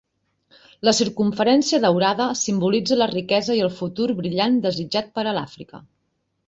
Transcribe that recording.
La circumferència daurada simbolitza la riquesa i el futur brillant desitjat per a l'Àfrica.